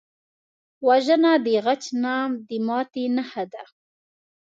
وژنه د غچ نه، د ماتې نښه ده